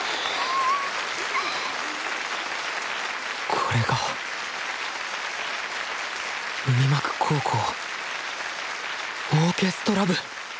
これが海幕高校オーケストラ部！